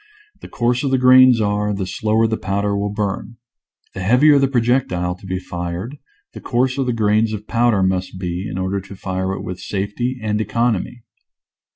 The coarser the grains are, the slower the powder will burn. The heavier the pro jectile to be fired the coarser the grains of powder must be in order to fire it with safety and economy.